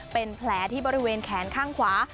เป็นแผลที่บริเวณแขนข้างขวา